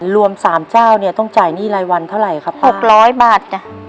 รวมสามเจ้าเนี่ยต้องจ่ายหนี้รายวันเท่าไรครับหกร้อยบาท